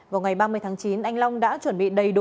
vào ngày ba mươi tháng chín anh long đã chuẩn bị đầy đủ